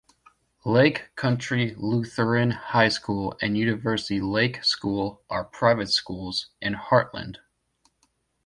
Lake Country Lutheran High School and University Lake School are private schools in Hartland.